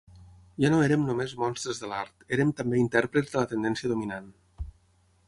Ja no érem només monstres de l'art, érem també intèrprets de la tendència dominant.